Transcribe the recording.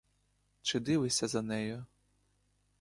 Чи дивишся за нею?